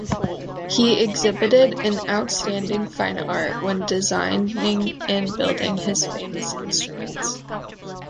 He exhibited an outstanding fine art when designing and building his famous instruments.